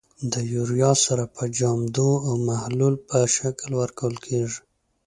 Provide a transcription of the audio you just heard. د یوریا سره په جامدو او محلول په شکل ورکول کیږي.